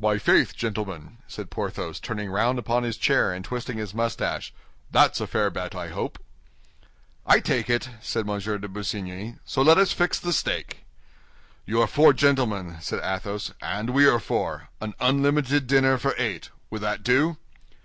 "My faith, gentlemen," said Porthos, turning round upon his chair and twisting his mustache, "that's a fair bet, I hope." "I take it," said M. de Busigny; "so let us fix the stake." "You are four gentlemen," said Athos, "and we are four; an unlimited dinner for eight. Will that do?"